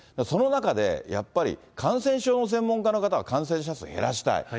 その中で、やっぱり感染症の専門家の方は感染者数を減らしたい。